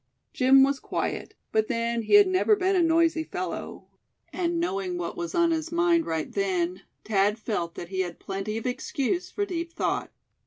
Jim was quiet; but then he had never been a noisy fellow; and knowing what was on his mind right then, Thad felt that he had plenty of excuse for deep thought.